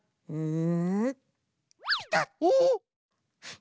ん？